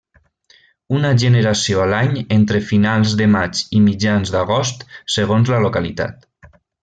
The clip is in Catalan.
Una generació a l'any entre finals de maig i mitjans d'agost, segons la localitat.